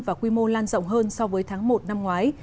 và quy mô lan rộng hơn so với tháng một năm ngoái